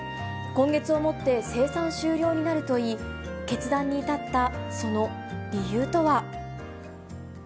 今月をもって生産終了になるといい、決断に至ったその理由とは。